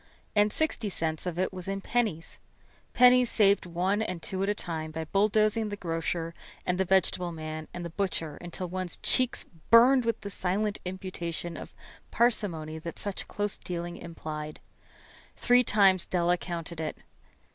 And sixty cents of it was in pennies. Pennies saved one and two at a time by bulldozing the grocer and the vegetable man and the butcher until one's cheeks burned with the silent imputation of parsimony that such close dealing implied. Three times Della counted it.